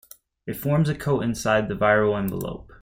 It forms a coat inside the viral envelope.